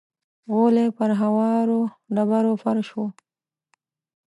غولی پر هوارو ډبرو فرش و.